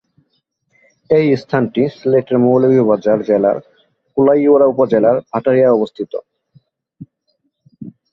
এই স্থানটি সিলেটের মৌলভীবাজার জেলার কুলাউড়া উপজেলার ভাটেরায় অবস্থিত।